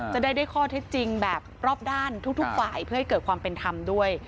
จะได้ได้ข้อเท็จจริงแบบรอบด้านทุกฝ่ายเพื่อให้เกิดความเป็นธรรมด้วย